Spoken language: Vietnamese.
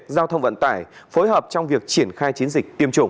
giao thông vận tải phối hợp trong việc triển khai chiến dịch tiêm chủng